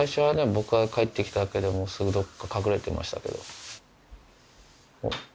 僕が帰って来ただけですぐ隠れてましたけど。